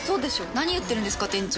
何言ってるんですか、店長。